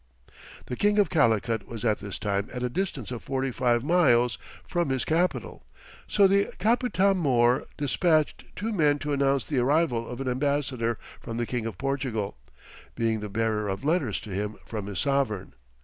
The King of Calicut was at this time at a distance of forty five miles from his capital, so the Capitam mõr despatched two men to announce the arrival of an ambassador from the King of Portugal, being the bearer of letters to him from his sovereign.